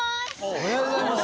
おはようございます。